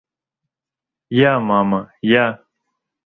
— Я, мама, я…